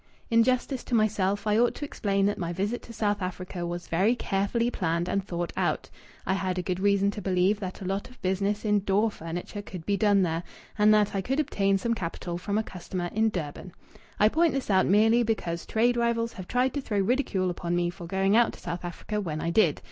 In justice to myself I ought to explain that my visit to South Africa was very carefully planned and thought out. I had a good reason to believe that a lot of business in door furniture could be done there, and that I could obtain some capital from a customer in Durban. I point this out merely because trade rivals have tried to throw ridicule upon me for going out to South Africa when I did.